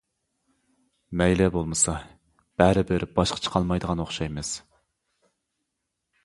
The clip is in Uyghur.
-مەيلى بولمىسا بەرىبىر باشقا چىقالمايدىغان ئوخشايمىز.